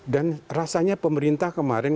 dan rasanya pemerintah kemarin